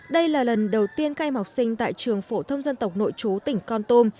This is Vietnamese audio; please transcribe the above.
đây là lần đầu tiên các em học sinh tại trường phổ thông dân tộc nội chú tỉnh con tum